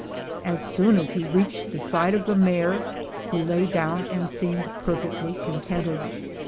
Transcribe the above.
As soon as he reached the side of the mare he lay down and seemed perfectly con tented.